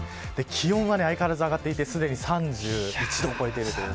気温は、相変わらず上がっていてすでに３１度超えていると。